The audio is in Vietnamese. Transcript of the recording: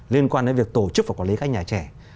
liên quan đến việc tổ chức và quản lý các nhà trẻ